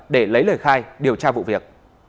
để lấy lời khai điều tra vụ việc